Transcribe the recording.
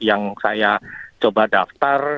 yang saya coba daftar